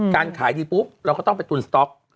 การขายดีปุ๊บเราก็ต้องไปตุนสต๊อก